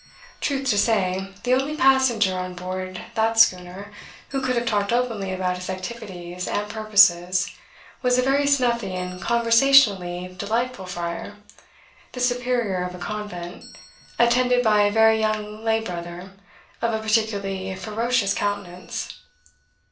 Truth to say, the only passenger on board that schooner who could have talked openly about his activities and purposes was a very snuffy and conversationally delightful friar, the superior of a convent, attended by a very young lay brother, of a particularly ferocious countenance.